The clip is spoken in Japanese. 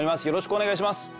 よろしくお願いします。